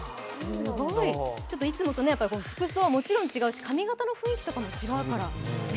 いつもと服装はもちろん違うし、髪形の雰囲気とかも違うから。